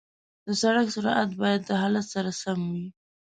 د سړک سرعت باید د حالت سره سم وي.